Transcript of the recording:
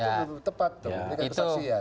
ya itu tepat